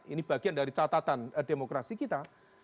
ini bagian dari catatan demokrasi kita